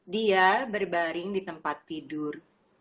dia berbaring di tempat tidur